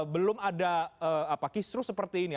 belum ada kisru seperti ini